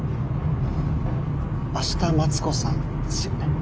明日待子さんですよね？